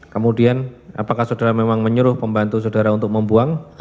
kemudian apakah saudara memang menyuruh pembantu saudara untuk membuang